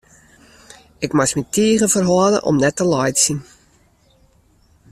Ik moast my tige ferhâlde om net te laitsjen.